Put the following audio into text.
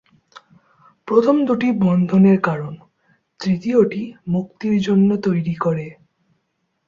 প্রথম দুটি বন্ধনের কারণ; তৃতীয়টি মুক্তির জন্য তৈরি করে।